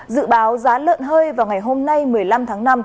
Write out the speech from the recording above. dự báo giá lợn hơi vào ngày hôm nay một mươi năm tháng năm